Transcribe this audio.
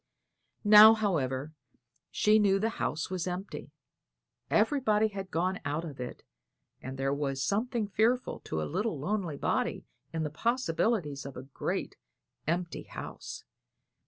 Now, however, she knew the house was empty. Everybody had gone out of it; and there is something fearful to a little lonely body in the possibilities of a great, empty house.